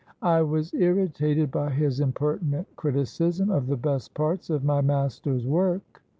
"I was irritated by his impertinent criticism of the best parts of my master's work.